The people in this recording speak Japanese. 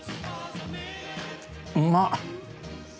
うまっ！